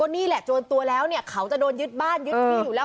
นี่แหละโจรตัวแล้วเนี่ยเขาจะโดนยึดบ้านยึดที่อยู่แล้ว